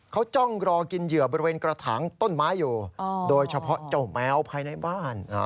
เขาจ้องรอกินเหยื่อบริเวณกระถางต้นไม้อยู่โดยเฉพาะเจ้าแมวภายในบ้าน